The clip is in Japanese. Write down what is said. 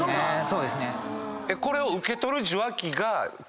そうですね。